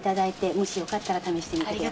もしよかったら試してみて下さい。